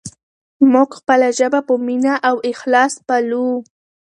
موږ خپله ژبه په مینه او اخلاص پالو.